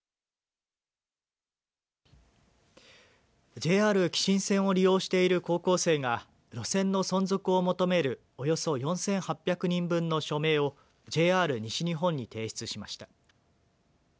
ＪＲ姫新線を利用している高校生が路線の存続を求めるおよそ４８００人分の署名をＪＲ西日本に提出しました。